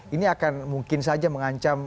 ini akan mungkin saja mengancam